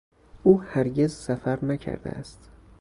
او هرگز سفر نکرده است